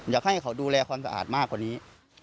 อยากให้เขาดูแลความสะอาดมากกว่านี้